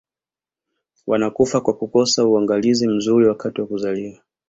wanakufa kwa kukosa uangalizi mzuri wakati wa kuzaliwa